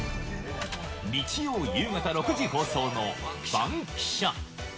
日曜夕方６時放送のバンキシャ！